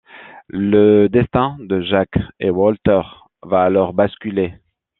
Le destin de Jacques et Walter va alors basculer.